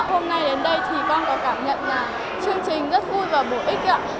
hôm nay đến đây thì con có cảm nhận là chương trình rất vui và bổ ích